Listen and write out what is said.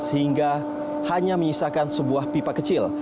sehingga hanya menyisakan sebuah pipa kecil